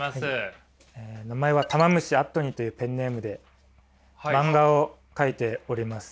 名前はたま虫あっとにというペンネームで漫画を描いております。